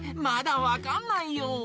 まだわかんないよ。